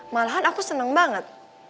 malahan aku seneng banget